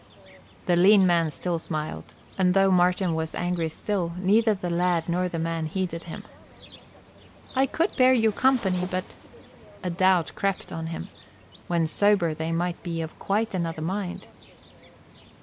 The lean man still smiled, and though Martin was angry still, neither the lad nor the man heeded him. "I could bear you company, but " A doubt crept on him: when sober they might be of quite another mind.